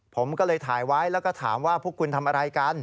ผมก็เลยถ่ายไว้แล้วก็ถามว่าพวกคุณทำอะไรกัน